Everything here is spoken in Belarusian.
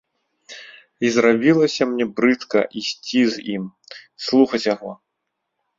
І зрабілася мне брыдка ісці з ім, слухаць яго.